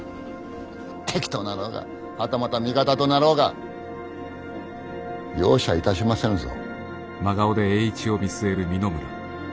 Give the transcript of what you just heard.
敵となろうがはたまた味方となろうが容赦いたしませぬぞ。